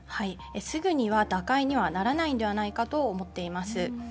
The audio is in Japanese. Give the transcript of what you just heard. すぐには打開にはならないんではないかと思っています。